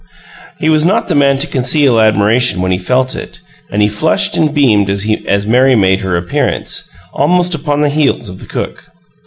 He was not the man to conceal admiration when he felt it, and he flushed and beamed as Mary made her appearance, almost upon the heels of the cook.